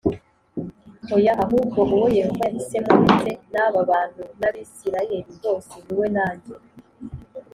Oya ahubwo uwo yehova yahisemo ndetse n aba bantu n abisirayeli bose ni we nanjye